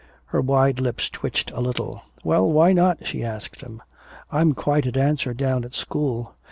Her wide lips twitched a little. "Well, why not?" she asked him. "I'm quite a dancer down at school.